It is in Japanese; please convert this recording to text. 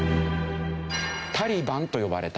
「タリバン」と呼ばれた。